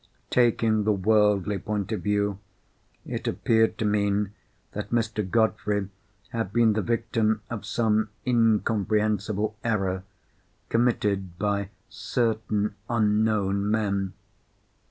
Taking the worldly point of view, it appeared to mean that Mr. Godfrey had been the victim of some incomprehensible error, committed by certain unknown men.